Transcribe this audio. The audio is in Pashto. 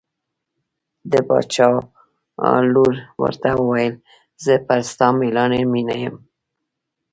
د باچا لور ورته وویل زه پر ستا مېړانې مینه یم.